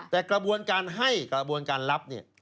แต่กระบวนการให้กระบวนการรับเนี่ย